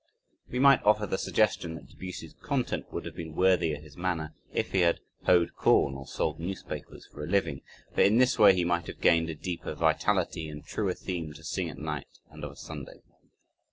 We might offer the suggestion that Debussy's content would have been worthier his manner, if he had hoed corn or sold newspapers for a living, for in this way he might have gained a deeper vitality and truer theme to sing at night and of a Sunday.